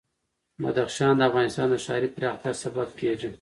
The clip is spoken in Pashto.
بدخشان د افغانستان د ښاري پراختیا سبب کېږي.